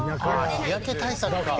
日焼け対策。